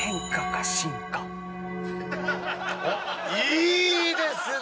いいですね！